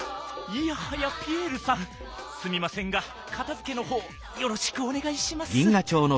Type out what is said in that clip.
いやはやピエールさんすみませんがかたづけのほうよろしくおねがいします。